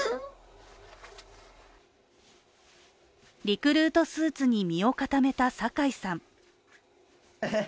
リクルートスーツに身を固めた酒井さん。